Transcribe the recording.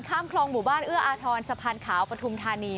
ข้ามคลองหมู่บ้านเอื้ออาทรสะพานขาวปฐุมธานี